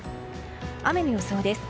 雨の予想です。